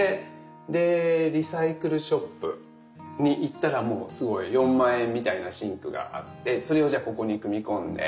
でリサイクルショップに行ったらもうすごい４万円みたいなシンクがあってそれをじゃあここに組み込んで。